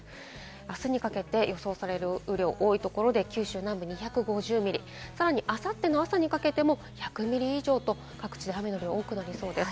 あすにかけて予想される雨量、多いところで九州南部２５０ミリ、さらにあさっての朝にかけても１００ミリ以上と、各地で雨の量、多くなりそうです。